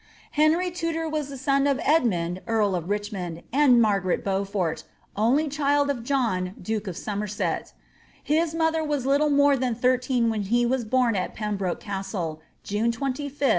Henry Tudor was the son of Edmund earl of Richmond' and Margaret Beaufort, only child of John duke of Somerset His mother was little more than thirteen^ when he was bom at PembrcAe Castle,* June 25, 1456.